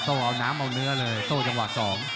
เอาน้ำเอาเนื้อเลยโต้จังหวะ๒